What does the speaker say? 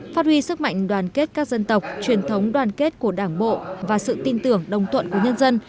phát huy sức mạnh đoàn kết các dân tộc truyền thống đoàn kết của đảng bộ và sự tin tưởng đồng tuận của nhân dân